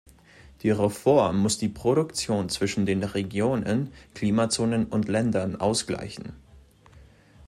Die Reform muss die Produktion zwischen den Regionen, Klimazonen und Ländern ausgleichen.